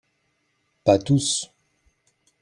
Pas tous